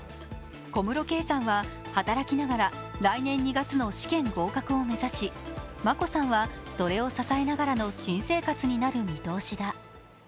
小室圭さんは働きながら来年２月の試験合格を目指し眞子さんはそれを支えながらの新生活になる見通しだ。